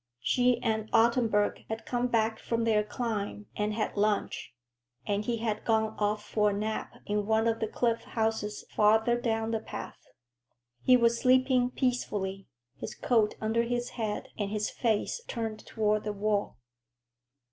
She and Ottenburg had come back from their climb and had lunch, and he had gone off for a nap in one of the cliff houses farther down the path. He was sleeping peacefully, his coat under his head and his face turned toward the wall.